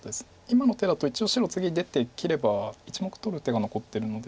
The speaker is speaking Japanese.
今の手だと一応白次出て切れば１目取る手が残ってるので。